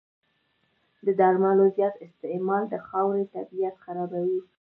د درملو زیات استعمال د خاورې طبعیت خرابوي.